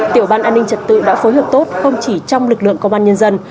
tiểu ban an ninh trật tự đã phối hợp tốt không chỉ trong lực lượng công an nhân dân